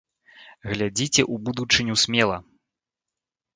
Глядзіце ў будучыню смела!